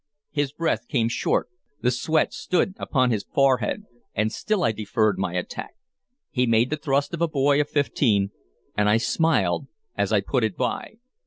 His breath came short, the sweat stood upon his forehead, and still I deferred my attack. He made the thrust of a boy of fifteen, and I smiled as I put it by.